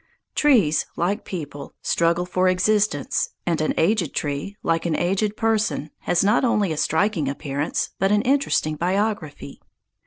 Trees, like people, struggle for existence, and an aged tree, like an aged person, has not only a striking appearance, but an interesting biography.